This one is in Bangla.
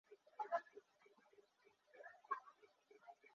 আর তারা যে সাদা বালিতে তাকে পোঁতার কথা ভেবেছিল তা হলো ঝিনুক খোলকের স্তূপ।